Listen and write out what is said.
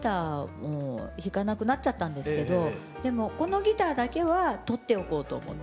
もう弾かなくなっちゃったんですけどでもこのギターだけは取っておこうと思って。